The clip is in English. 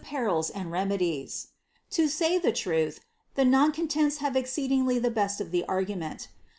Perils and Remedies. To say the truth, the non contents hare exceed* ingly ilie licsi of the argument.